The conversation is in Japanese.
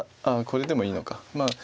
ああこれでもいいのか。